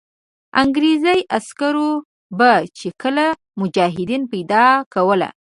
انګرېزي عسکرو به چې کله مجاهدین پیدا کول.